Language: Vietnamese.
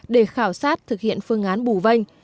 để khảo sát thực hiện phương án bù vanh